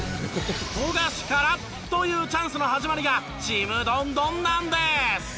「富樫から」というチャンスの始まりがちむどんどんなんです！